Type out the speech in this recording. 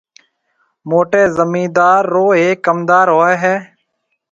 موٽيَ زميندار رو هيَڪ ڪمندار هوئي هيَ۔